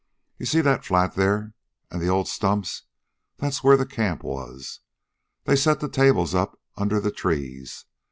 You see that flat there, an' the old stumps. That's where the camp was. They set the tables up under the trees.